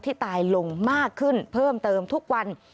ตายลงมากขึ้นเพิ่มเติมทุกวัน